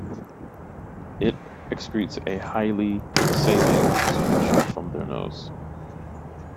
It excretes a highly saline solution from their nose.